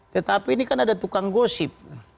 tetapi ini kan ada tukang gosip